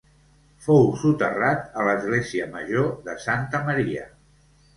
Fou soterrat a l'església Major de Santa Maria.